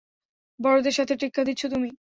বড়দের সাথে টেক্কা দিচ্ছ তুমি।